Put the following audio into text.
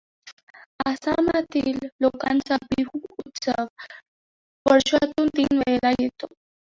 आसामातील लोकांचा बिहू उत्स्व वर्षातुन तीन वेळेला येतो.